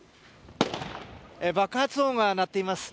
爆発音が鳴っています。